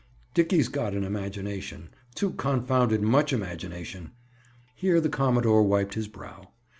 Dickie's got an imagination. Too confounded much imagination!" Here the commodore wiped his brow.